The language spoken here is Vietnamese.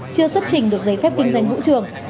chưa xuất trình được giấy phép kinh doanh vũ trường